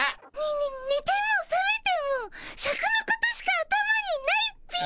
ねねてもさめてもシャクのことしか頭にないっピィ。